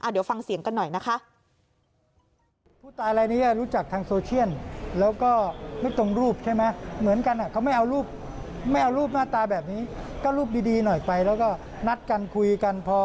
เดี๋ยวฟังเสียงกันหน่อยนะคะ